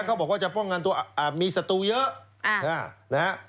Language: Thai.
เขาบอกว่าจะป้องกันตัวมีสตูเยอะนะฮะ